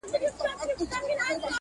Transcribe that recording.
ځکه پردی پردی وي